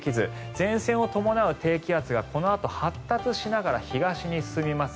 前線を伴う低気圧がこのあと発達しながら東に進みます。